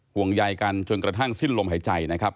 ห่วงใยกันจนกระทั่งสิ้นลมหายใจนะครับ